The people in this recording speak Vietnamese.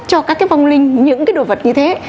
cho các cái băng linh những cái đồ vật như thế